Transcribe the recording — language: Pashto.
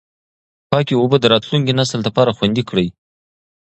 پاکې اوبه د راتلونکي نسل لپاره خوندي کړئ.